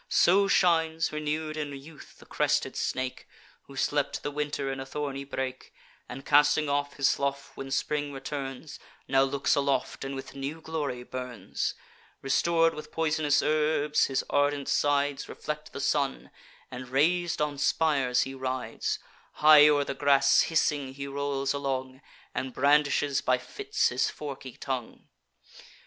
So shines, renew'd in youth, the crested snake, Who slept the winter in a thorny brake, And, casting off his slough when spring returns, Now looks aloft, and with new glory burns; Restor'd with poisonous herbs, his ardent sides Reflect the sun; and rais'd on spires he rides; High o'er the grass, hissing he rolls along, And brandishes by fits his forky tongue.